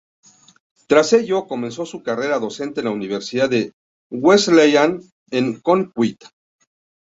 Tras ello, comenzó su carrera docente en la Universidad de Wesleyan, en Connecticut.